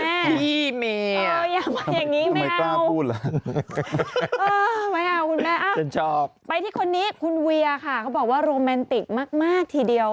นี่ไม่เอาคุณแม่ไปที่คนนี้คุณเวียค่ะเขาบอกว่าโรแมนติกมากทีเดียว